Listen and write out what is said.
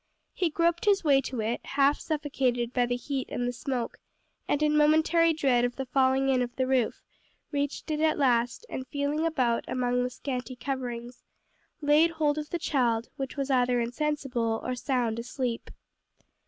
He groped his way to it, half suffocated by the heat and smoke, and in momentary dread of the falling in of the roof, reached it at last, and feeling about among the scanty coverings, laid hold of the child, which was either insensible or sound asleep.